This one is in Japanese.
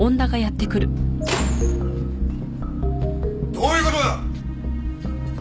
どういう事だ！